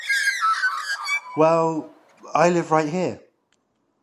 Well, I live right here.